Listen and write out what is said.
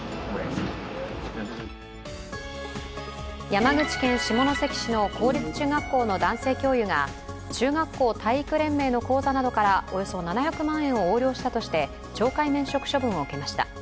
山口県下関市の公立中学校の男性教諭が中学校体育連盟の口座などからおよそ７００万円を横領したとして懲戒免職処分を受けました。